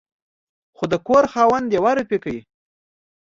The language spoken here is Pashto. خو د کور خاوند يوه روپۍ کړ